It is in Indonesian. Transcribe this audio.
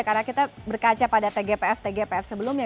karena kita berkaca pada cgpf cgpf sebelumnya